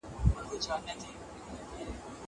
هغه وويل چي منډه ښه ده!!